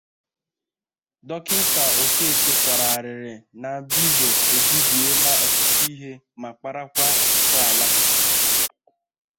Dọkịta Okeke kwàrà arịrị na mbize ebibiela ọtụtụ ihe ma kparakwa ọtụtụ ala